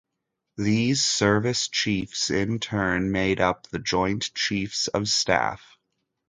These service chiefs in turn made up the Joint Chiefs of Staff.